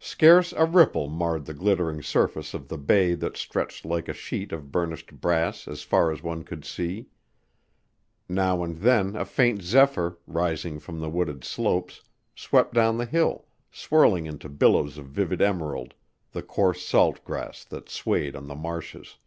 Scarce a ripple marred the glittering surface of the bay that stretched like a sheet of burnished brass as far as one could see. Now and then a faint zephyr, rising from the wooded slopes, swept down the hill, swirling into billows of vivid emerald the coarse salt grass that swayed on the marshes.